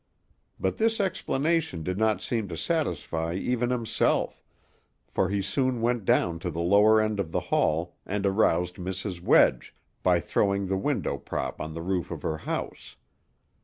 But this explanation did not seem to satisfy even himself, for he soon went down to the lower end of the hall, and aroused Mrs. Wedge, by throwing the window prop on the roof of her house.